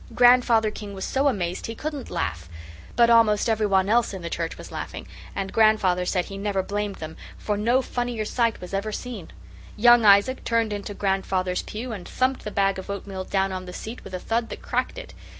Grandfather King was so amazed he couldn't laugh, but almost everyone else in the church was laughing, and grandfather said he never blamed them, for no funnier sight was ever seen. Young Isaac turned into grandfather's pew and thumped the bag of oatmeal down on the seat with a thud that cracked it.